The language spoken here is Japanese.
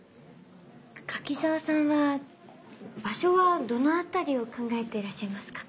柿沢さんは場所はどの辺りを考えてらっしゃいますか？